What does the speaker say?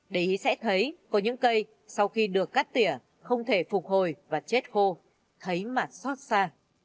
để ý sẽ thấy có những cây sau khi được cắt tỉa không thể phục hồi và chết khô thấy mặt xót xa